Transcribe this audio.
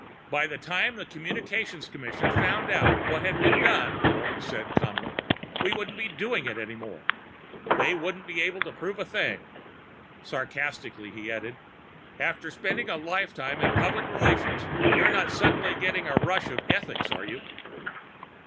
"By the time the Communications Commission found out what had been done," Walton said calmly, "we wouldn't be doing it any more. They won't be able to prove a thing." Sarcastically he added, "After spending a lifetime in public relations, you're not suddenly getting a rush of ethics, are you?"